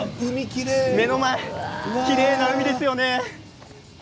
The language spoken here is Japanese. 目の前もきれいな海ですよ。